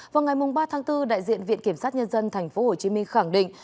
vào ngày ba tháng bốn đại diện viện kiểm sát nhân dân tp hcm khẳng định